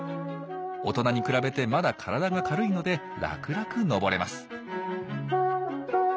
大人に比べてまだ体が軽いので楽々登れます。